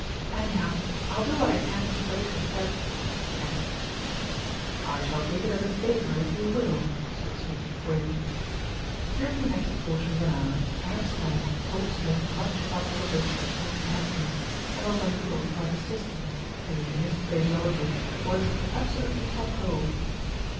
"Anyhow, I'll do what I can to break her prej," he added. "I shall take it as a favour if you will," said Smith gravely. During the next quarter of an hour, Eric Stannard told Smith much about Little Bilstead and its inhabi tants, and not a little about his sister, who, in his phraseology, was "absolutely tophole."